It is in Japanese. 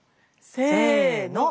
せの！